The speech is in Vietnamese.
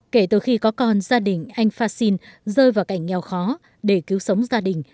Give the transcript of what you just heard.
kể từ khi có con gia đình anh fassin rơi vào cảnh nghèo khó để cứu sống gia đình